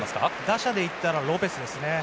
打者でいったらロペスですね。